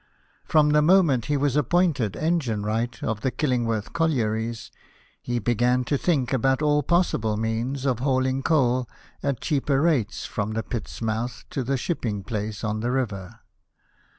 From the moment he was appointed engine wright of the Killingworth collieries, he began to think about all pos sible means of hauling coal at cheaper rates from the pit's mouth to the shipping place on the river.